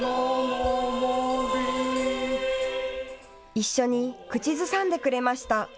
一緒に口ずさんでくれました。